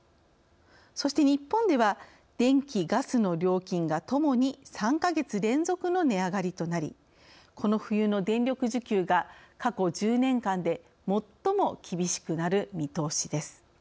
そして、日本では電気・ガスの料金が、ともに３か月連続の値上がりとなりこの冬の電力需給が過去１０年間で最も厳しくなる見通しです。